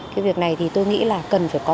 cái việc này thì tôi nghĩ là cần phải có